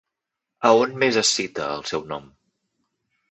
A on més es cita el seu nom?